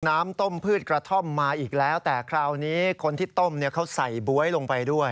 น้ำต้มพืชกระท่อมมาอีกแล้วแต่คราวนี้คนที่ต้มเนี่ยเขาใส่บ๊วยลงไปด้วย